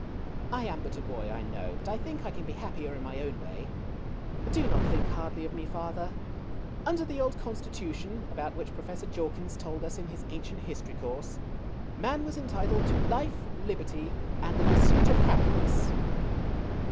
I am but a boy, I know ; blit I think I can be happier in my own way. Do not think hardly of me, father. Under the old Constitution — about which Professor Jawkins told us in his Ancient History 234 THE CHILDREN'S WONDER BOOK. course — man was entitled to life, liberty, and the pursuit of happiness.